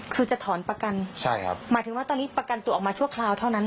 คือจะถอนประกันใช่ครับหมายถึงว่าตอนนี้ประกันตัวออกมาชั่วคราวเท่านั้น